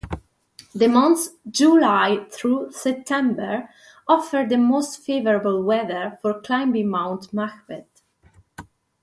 The months July through September offer the most favorable weather for climbing Mount Macbeth.